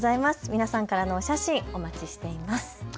皆さんのお写真、お待ちしております。